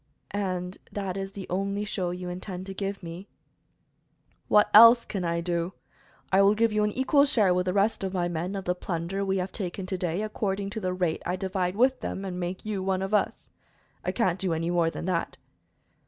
"And that is the only show you intend to give me?" "What else can I do? I will give you an equal share with the rest of my men of the plunder we have taken to day, according to the rate I divide with them, and make you one of us. I can't do any more than that."